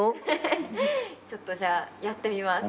ちょっとじゃあやってみます。